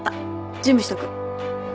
準備しとく。